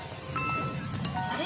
あれ？